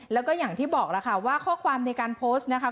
แล้วก็อย่างที่บอกแล้วค่ะว่าข้อความในการโพสต์นะคะ